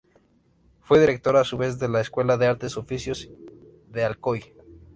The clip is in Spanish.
Fue director a su vez de la Escuela de Artes y Oficios de Alcoy.